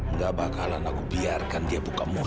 nggak bakalan aku biarkan dia buka musik